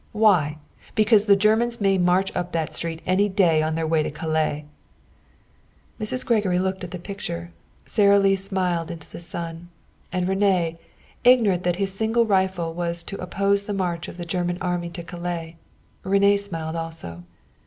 Why? Because the Germans may march up that street any day on their way to Calais." Mrs. Gregory looked at the picture. Sara Lee smiled into the sun. And René, ignorant that his single rifle was to oppose the march of the German Army to Calais René smiled also.